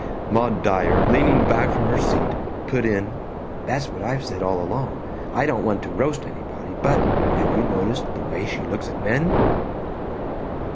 Maud Dyer, leaning back from her seat, put in, "That's what I've said all along. I don't want to roast anybody, but have you noticed the way she looks at men?"